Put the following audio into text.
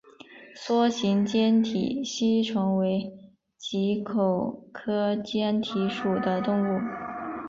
梭形坚体吸虫为棘口科坚体属的动物。